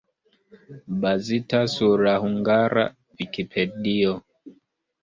Bazita sur la hungara Vikipedio.